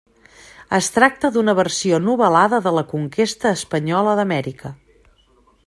Es tracta d'una versió novel·lada de la conquesta espanyola d'Amèrica.